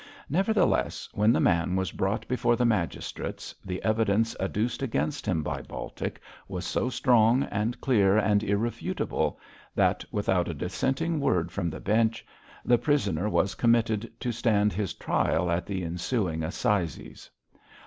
Nevertheless, when the man was brought before the magistrates, the evidence adduced against him by Baltic was so strong and clear and irrefutable that, without a dissenting word from the Bench, the prisoner was committed to stand his trial at the ensuing assizes.